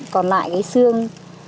còn lại cái xương